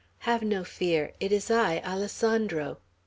Have no fear. It is I, Alessandro!"